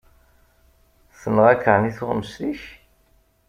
Tenɣa-k εni tuɣmest-ik?